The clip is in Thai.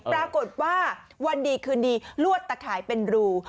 ปรากฏว่าวันดีคืนดีลวดตะข่ายเป็นรู